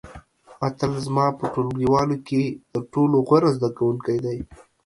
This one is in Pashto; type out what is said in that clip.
اتل زما په ټولګیوالو کې تر ټولو غوره زده کوونکی دی.